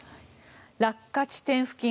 落下地点付近